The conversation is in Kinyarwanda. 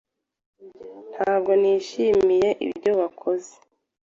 Ntabwo nishimiye ibyo wakoze.